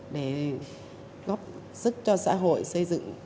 để góp sức cho xã hội xây dựng